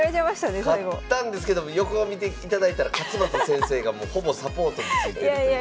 勝ったんですけども横を見ていただいたら勝又先生がほぼサポートについてるという。